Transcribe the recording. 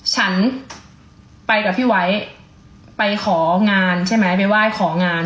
ฉันไปกับพี่ไว้ไปของานใช่ไหมไปไหว้ของาน